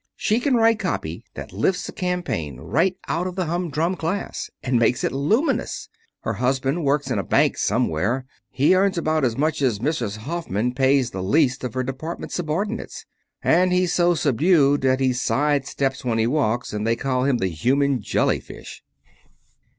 She can write copy that lifts a campaign right out of the humdrum class, and makes it luminous. Her husband works in a bank somewhere. He earns about as much as Mrs. Hoffman pays the least of her department subordinates. And he's so subdued that he side steps when he walks, and they call him the human jelly fish."